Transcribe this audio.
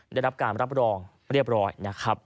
ได้รับการรับรองเรียบร้อย